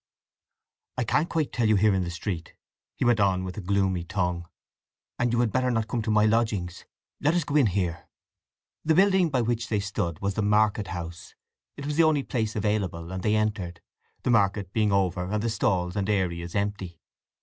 "I can't quite tell you here in the street," he went on with a gloomy tongue. "And you had better not come to my lodgings. Let us go in here." The building by which they stood was the market house; it was the only place available; and they entered, the market being over, and the stalls and areas empty.